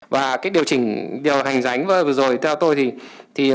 và điều chỉnh điều hành giánh vừa rồi theo tôi thì